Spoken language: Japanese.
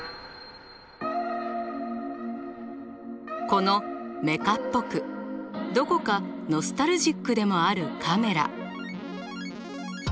このメカっぽくどこかノスタルジックでもあるカメラ。